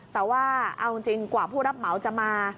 แต่ว่าเอาจริงกว่าผู้รับเหมาจะมา